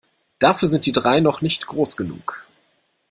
Dafür sind die drei noch nicht groß genug.